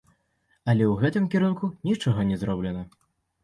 Але ў гэтым кірунку нічога не зроблена.